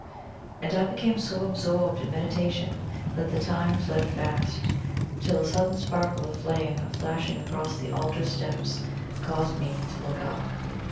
And I became so absorbed in meditation that the time fled fast, till a sudden sparkle of flame flashing across the altar steps caused me to look up.